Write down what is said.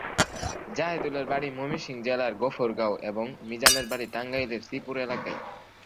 জাহেদুলের বাড়ি ময়মনসিংহ জেলার গফরগাঁও এবং মিজানের বাড়ি টাঙ্গাইলের শ্রীপুর এলাকায়।